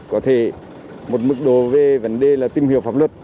có thể một mức độ về vấn đề là tìm hiểu pháp luật